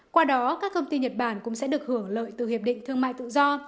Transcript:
qua đó các công ty nhật bản cũng sẽ được hưởng lợi từ hiệp định thương mại tự do